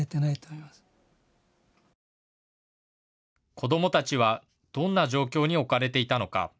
子どもたちはどんな状況に置かれていたのか。